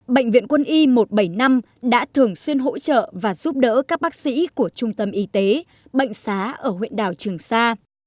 bệnh viện quân y một trăm bảy mươi năm đã thường xuyên hỗ trợ và giúp đỡ các bác sĩ của trung tâm y tế bệnh xá ở huyện đảo trường sa